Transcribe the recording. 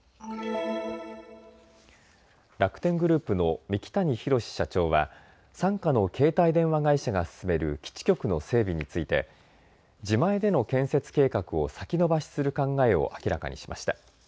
楽天グループの三木谷浩史社長は傘下の携帯電話会社が進める基地局の整備について自前での建設計画を先延ばしする考えを明らかにしました。